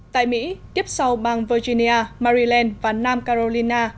tại mỹ tiếp sau bang virginia maryland và nam carolina